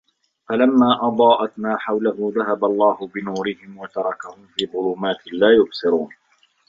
فَلَمَّا أَضَاءَتْ مَا حَوْلَهُ ذَهَبَ اللَّهُ بِنُورِهِمْ وَتَرَكَهُمْ فِي ظُلُمَاتٍ لَا يُبْصِرُونَ